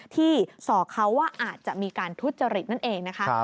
ที่สอกเขาว่าอาจจะมีการทุจริตนั่นเองนะคะ